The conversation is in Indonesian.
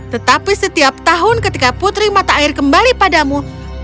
tetapi setiap tahun ketika putri mata air kembali padamu